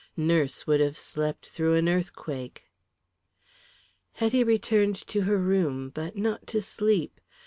Nurse would have slept through an earthquake. Hetty returned to her room, but not to sleep.